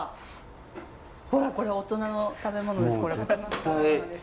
ほらこれ大人の食べ物です